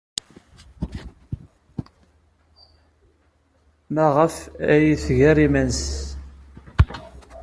Maɣef ay tger iman-nnes?